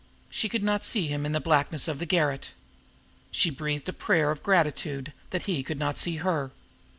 She could not see him in the blackness of the garret. She breathed a prayer of gratitude that he could not see her.